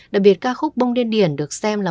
đặc biệt ca khúc bông điên điển được xem là